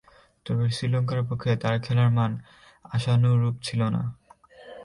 তবে, শ্রীলঙ্কার পক্ষে তার খেলার মান আশানুরূপ ছিল না।